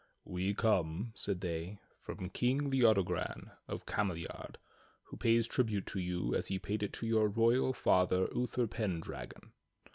"We come," said they, "from King Leodogran of Cameliard who pays tribute to you, as he paid it to your royal father Uther Pendragon.